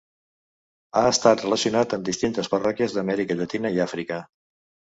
Ha estat relacionat amb distintes parròquies d'Amèrica Llatina i Àfrica.